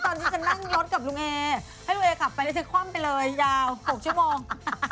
ตอนที่จะนั่งรถกับลุงเอให้ลุงเอขับไปได้สิทธิ์ความไปเลยยาว๖ชั่วโมง